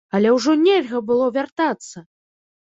Але ўжо нельга было вяртацца!